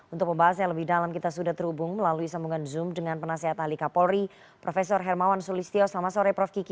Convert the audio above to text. untuk pembahas yang lebih dalam kita sudah terhubung melalui sambungan zoom dengan penasehat ahli kapolri prof hermawan sulistyo selamat sore prof kiki